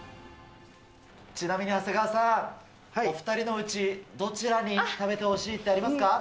ちなみに長谷川さん、お２人のうちどちらに食べてほしいってありますか？